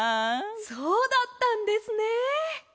そうだったんですね。